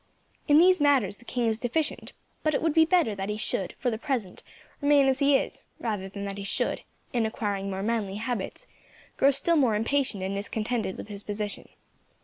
In these matters the king is deficient; but it would be better that he should, for the present, remain as he is, rather than that he should, in acquiring more manly habits, grow still more impatient and discontented with his position.